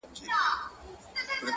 • ځوان دعا کوي،